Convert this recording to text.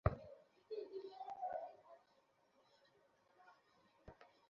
তোমার রুম কোন তলায়?